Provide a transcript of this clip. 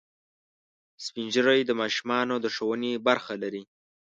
سپین ږیری د ماشومانو د ښوونې برخه لري